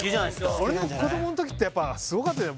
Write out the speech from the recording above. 俺の子どもの時ってやっぱすごかったじゃん